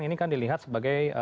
ini kan dilihat sebagai